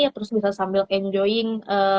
terus bisa sambil enjoying